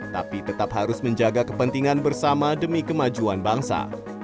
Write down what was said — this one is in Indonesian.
tapi tetap harus menjaga kepentingan bersama demi kemajuan bangsa